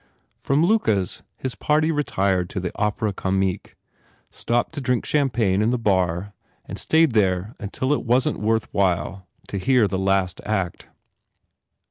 From Luca s his party retired to the Opera Comique, stopped to drink champagne in the bar and stayed there until it wasn t worth while to hear the last act.